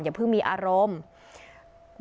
อย่าเพิ่งมีอารมณ์